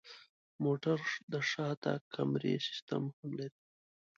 موټر د شاته کمرې سیستم هم لري.